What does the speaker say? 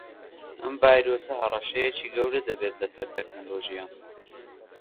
ئەم ڤایرۆسە هەڕەشەیەکی گەورە دەبێت لەسەر تەکنەلۆژیا